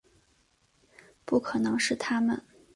不可能是他们